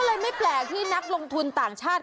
เลยไม่แปลกที่นักลงทุนต่างชาติ